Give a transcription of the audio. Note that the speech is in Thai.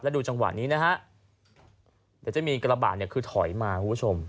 ดูจังหวะนี้นะฮะเดี๋ยวจะมีกระบะเนี่ยคือถอยมาคุณผู้ชม